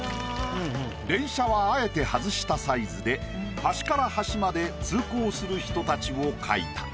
電車はあえて外したサイズで端から端まで通行する人たちを描いた。